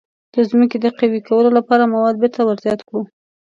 د ځمکې د قوي کولو لپاره مواد بیرته ور زیات کړو.